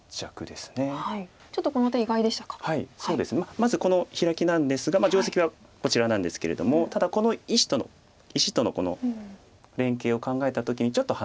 まずこのヒラキなんですが定石はこちらなんですけれどもただこの石との連係を考えた時にちょっと離れてますよね。